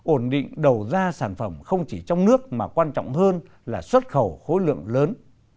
ổn định đầu ra sản phẩm không chỉ trong nước mà quan trọng hơn là xuất khẩu khối lượng lớn